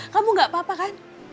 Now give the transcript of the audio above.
kamu gak apa apa kan